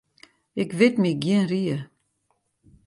Ik wit my gjin rie.